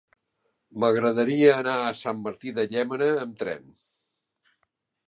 M'agradaria anar a Sant Martí de Llémena amb tren.